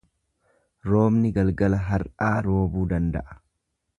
Roobni galgala har’aa roobuu danda’a.